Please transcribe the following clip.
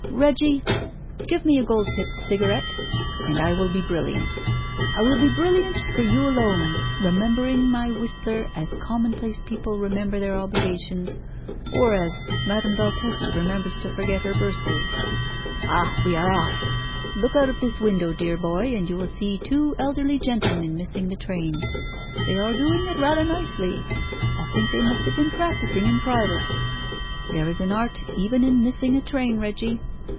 Reggie, give me a gold tipped cigarette, and I will be brilliant. I will be brilliant for you alone, remembering my Whistler as commonplace people remember their obligations, or as Madame Valtesi remembers to forget her birthday. Ah! we are off! Look out of this window, dear boy, and you will see two elderly gentlemen missing the train. They are doing it rather nicely. I think they must have been practising in private. There is an art even in missing a train, Reggie.